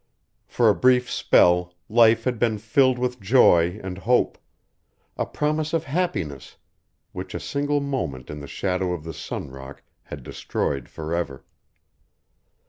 For a brief spell life had been, filled with joy and hope a promise of happiness which a single moment in the shadow of the Sun Rock had destroyed forever.